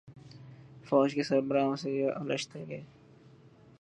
فوج کے سربراہوں سے یہ الجھتے گئے۔